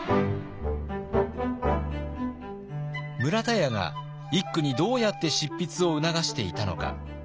村田屋が一九にどうやって執筆を促していたのか。